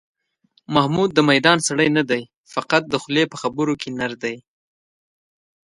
محمود د میدان سړی نه دی، فقط د خولې په خبرو کې نر دی.